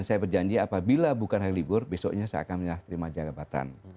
dan saya berjanji apabila bukan hari libur besoknya saya akan menyalahkan terima jangka batan